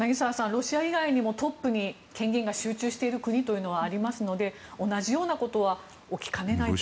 ロシア以外にもトップに権限が集中している国というのはありますので同じようなことは起きかねないと。